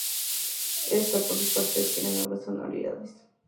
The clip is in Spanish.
Ésta, por su parte, adquiere nuevas sonoridades.